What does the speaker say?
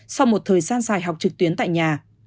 sau một thời gian dài học trực tuyến tại nhà